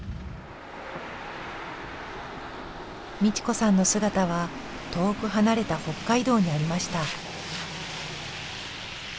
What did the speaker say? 美智子さんの姿は遠く離れた北海道にありました。